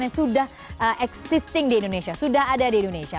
karena sudah existing di indonesia sudah ada di indonesia